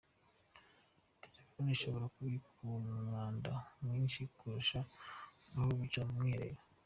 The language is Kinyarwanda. Telefoni ishobora kubika umwanda mwinshi kurusha aho bicara mu bwiherero.